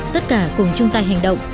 tất cả cùng chung tay hành động